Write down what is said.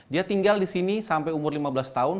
dia tinggal di sini sampai umur lima belas tahun